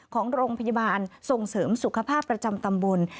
ของโรงพยาบาลส่งเสริมสุขภาพประจำตำบล